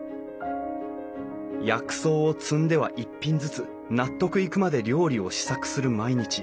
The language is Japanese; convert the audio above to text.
薬草を摘んでは一品ずつ納得いくまで料理を試作する毎日。